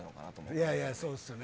いやいや、そうっすよね。